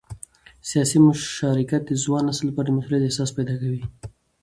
سیاسي مشارکت د ځوان نسل لپاره د مسؤلیت احساس پیدا کوي